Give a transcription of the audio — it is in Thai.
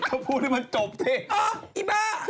เธอพูดแล้วมันจบเทปน์อ้าวอีบ้า